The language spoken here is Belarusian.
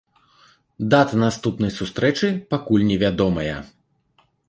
Дата наступнай сустрэчы пакуль не вядомая.